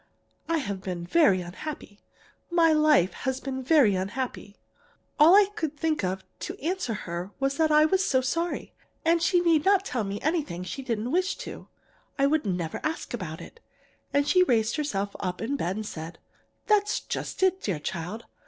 I have been very unhappy. My life has been very unhappy!' All I could think of to answer her was that I was so sorry, and she need not tell me anything she didn't wish to. I would never ask about it. And she raised herself up in bed, and said: "'That's just it, dear child.